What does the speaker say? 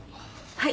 はい。